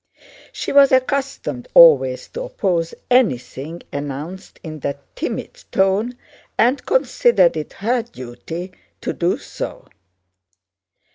She was accustomed always to oppose anything announced in that timid tone and considered it her duty to do so.